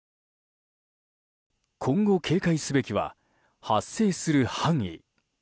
今後、警戒すべきは発生する範囲。